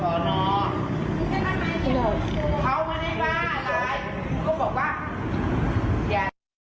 เขาไม่ได้บ้าอะไรเขาบอกว่าอย่า